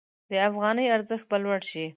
د افغانۍ ارزښت به لوړ شي.